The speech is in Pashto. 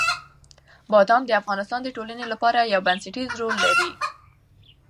بادام د افغانستان د ټولنې لپاره یو بنسټيز رول لري.